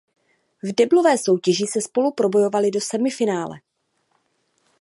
V deblové soutěži se spolu probojovaly do semifinále.